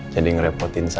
jadi ngerepotin saya